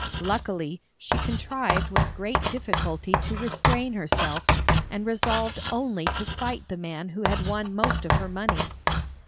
Luckily, she contrived with great difficulty to restrain herself, and resolved only to fight the man who had won most of her money.